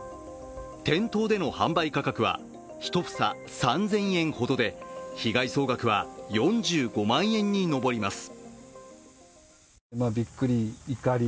店頭での販売価格は１房３０００円ほどで、被害総額は４５万円に上ります。